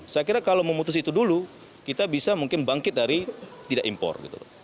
saya kira kalau memutus itu dulu kita bisa mungkin bangkit dari tidak impor